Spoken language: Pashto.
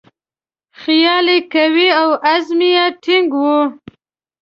خیال یې قوي او عزم یې ټینګ وي.